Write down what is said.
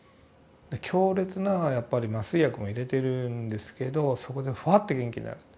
強烈なやっぱり麻酔薬も入れてるんですけどそこでフワッて元気になる。